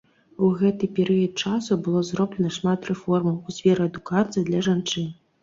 У гэты перыяд часу было зроблена шмат рэформаў у сферы адукацыі для жанчын.